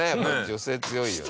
女性強いよ。